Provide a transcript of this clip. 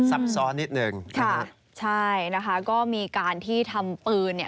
ซับซ้อนนิดหนึ่งค่ะใช่นะคะก็มีการที่ทำปืนเนี่ย